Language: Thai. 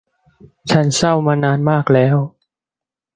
ฉันเศร้ามานานมากแล้ว